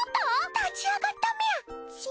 立ち上がったみゃ！